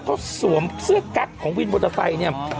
เขาสวมเสื้อกั๊กของวินมอเตอร์ไซค์เนี่ย